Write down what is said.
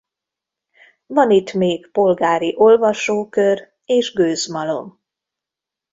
Van itt még polgári olvasókör és gőzmalom.